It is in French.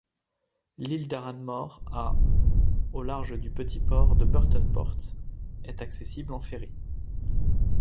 L'île d'Arranmore, à au large du petit port de Burtonport, est accessible en ferry.